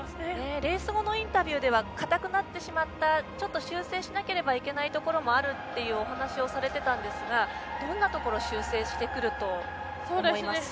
レース後のインタビューでは硬くなってしまったちょっと修正しなければいけないところもあるというお話をされてたんですがどんなところ修正してくると思います？